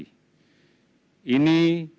ini upaya untuk penyakit yang terkenal